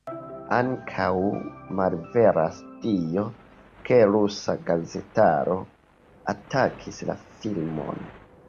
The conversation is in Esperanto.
Ankaŭ malveras tio, ke rusa gazetaro atakis la filmon.